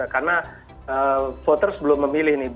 karena voters belum memilih